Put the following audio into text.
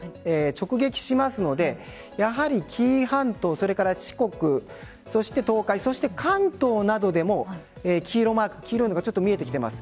直撃しますのでやはり、紀伊半島四国そして東海、そして関東などでも黄色いのが見えてきています。